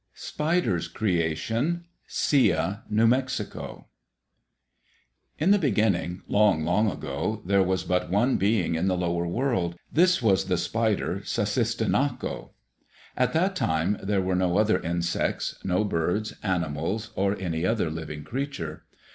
Spider's Creation Sia (New Mexico) In the beginning, long, long ago, there was but one being in the lower world. This was the spider, Sussistinnako. At that time there were no other insects, no birds, animals, or any other living creature.